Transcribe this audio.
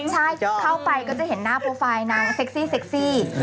ใช่เข้าไปก็จะเห็นหน้าโปรไฟล์นางเซ็กซี่เซ็กซี่